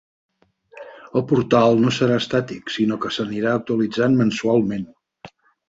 El portal no serà estàtic, sinó que s’anirà actualitzant mensualment.